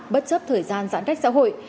bất chấp thời gian giãn cách xã hội